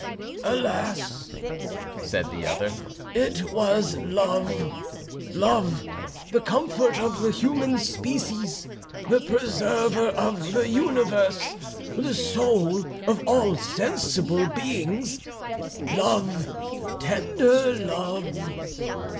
"Alas!" said the other, "it was love; love, the comfort of the human species, the preserver of the universe, the soul of all sensible beings, love, tender love."